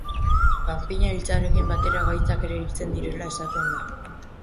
Panpina hiltzearekin batera gaitzak ere hiltzen direla esaten da.